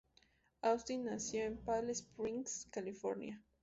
Austin nació en Palm Springs, California.